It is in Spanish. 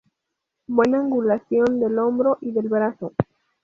Buena angulación del hombro y del brazo.